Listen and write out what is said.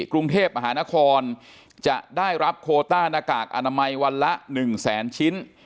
กรุงเทพมหานครจะได้รับโคต้าหน้ากากอนามัยวันละ๑แสนชิ้น